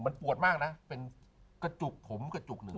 มันปวดมากนะเป็นกระจุกผมกระจุกหนึ่ง